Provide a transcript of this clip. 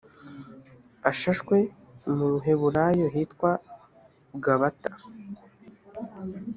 ashashwe mu ruheburayo hitwa gabata